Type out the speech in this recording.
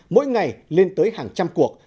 mỗi ngày lên tới hàng trăm cuộc